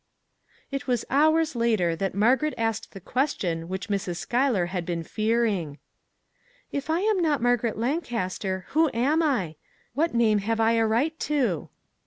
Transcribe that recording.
It was hours later that Margaret asked the question which Mrs. Schuyler had been fear ing. " If I am not Margaret Lancaster, who am I? What name have I a right to?